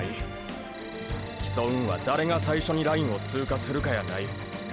競うんは誰が最初にラインを通過するかやない。